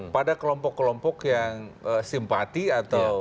pada kelompok kelompok yang simpati atau